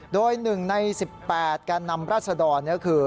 โดย๑ใน๑๘การนำรัฐธรรมนี่ก็คือ